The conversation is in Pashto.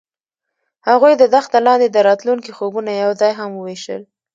هغوی د دښته لاندې د راتلونکي خوبونه یوځای هم وویشل.